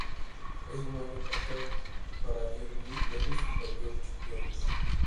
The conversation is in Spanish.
Ese mismo año, actúa para Jerry Lee Lewis y para George Jones.